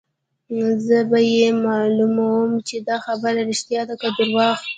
زه به يې معلوموم چې دا خبره ريښتیا ده که درواغ.